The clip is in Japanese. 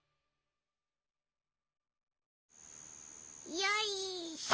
よいしょ。